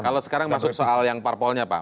kalau sekarang masuk soal yang parpolnya pak